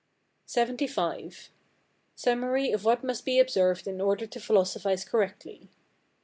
LXXV. Summary of what must be observed in order to philosophize correctly.